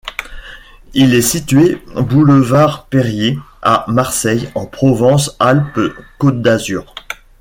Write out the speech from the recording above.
Il est situé boulevard Périer, à Marseille, en Provence-Alpes-Côte d'Azur.